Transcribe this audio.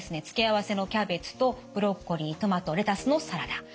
付け合わせのキャベツとブロッコリートマトレタスのサラダ。